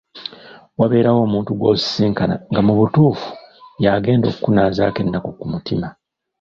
Wabeerawo omuntu gw’osisinkana nga mu butuufu y’agenda okukunaazaako ennaku ku mutima.